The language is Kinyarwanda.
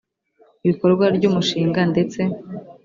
bikorwa ry umushinga ndetse